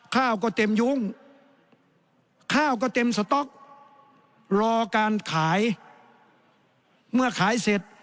ข้าวก็เต็มยุ้งข้าวก็เต็มสต๊อกรอการขายเมื่อขายเสร็จ